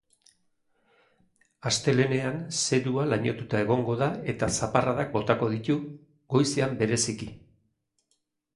Astelehenean, zerua lainotuta egongo da eta zaparradak botako ditu, goizean bereziki.